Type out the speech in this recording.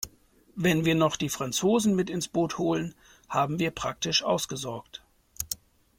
Wenn wir noch die Franzosen mit ins Boot holen, haben wir praktisch ausgesorgt.